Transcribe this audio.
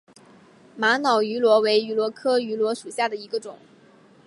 玛瑙芋螺为芋螺科芋螺属下的一个种。